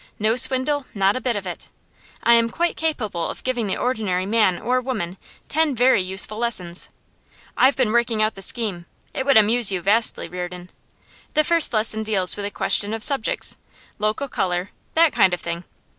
No swindle; not a bit of it. I am quite capable of giving the ordinary man or woman ten very useful lessons. I've been working out the scheme; it would amuse you vastly, Reardon. The first lesson deals with the question of subjects, local colour that kind of thing.